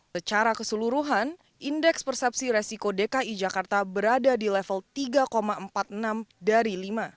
secara keseluruhan indeks persepsi resiko dki jakarta berada di level tiga empat puluh enam dari lima